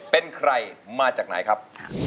เป็นใครมาจากไหนครับ